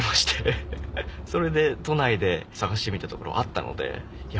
それで都内で探してみたところあったのでいや